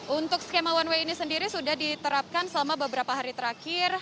untuk skema one way ini sendiri sudah diterapkan selama beberapa hari terakhir